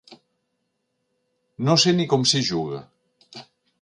No sé ni com s'hi juga.